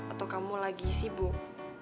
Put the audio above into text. atau kamu lagi sibuk